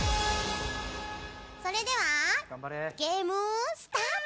それではゲームスタート！